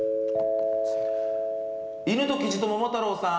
犬とキジと桃太郎さん